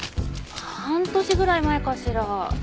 半年ぐらい前かしら。